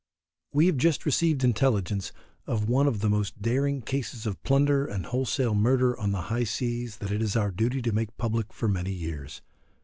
We have just received intelligence of one of the most daring cases of plunder and wholesale murder on the high seas that it is our duty to make public for many years.